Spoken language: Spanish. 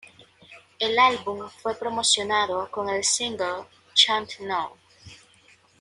El álbum fue promocionado con el single "Chant No.